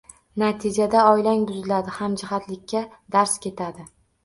Natijada oilang buziladi, hamjihatlikka darz ketadi.